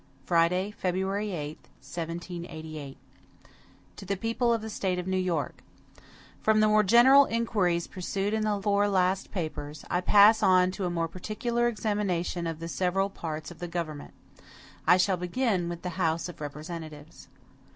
Friday, February 8, 1788. MADISON To the People of the State of New York: FROM the more general inquiries pursued in the four last papers, I pass on to a more particular examination of the several parts of the government. I shall begin with the House of Representatives.